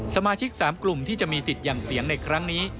สมาชิก๓กลุ่มที่จะมีสิทธิ์อย่างเสียงในครั้งนี้